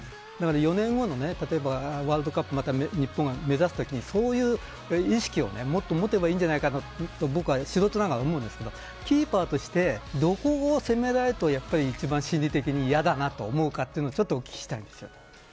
４年後のワールドカップまた日本が目指すときにそういう意識をもっと持てばいいんじゃないかなと僕は素人ながら思うんですけどキーパーとしてどこを攻められると一番心理的に嫌だなと思うのかをお聞きしたいです。